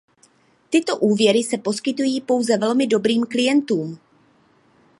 Tyto úvěry se poskytují pouze velmi dobrým klientům.